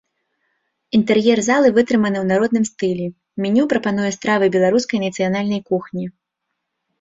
Інтэр'ер залы вытрыманы ў народным стылі, меню прапануе стравы беларускай нацыянальнай кухні.